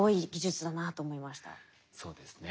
そうですね。